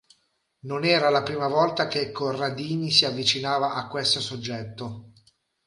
Non era la prima volta che Corradini si avvicinava a questo soggetto.